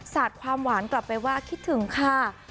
สาดความหวานกลับไปว่าคิดถึงค่ะ